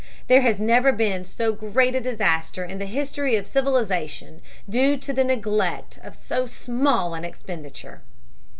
There has never been so great a disaster in the history of civilization due to the neglect of so small an expenditure.